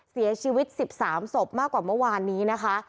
เสียชีวิต๑๓ศพมากกว่าเมื่อวานนี้นะคะ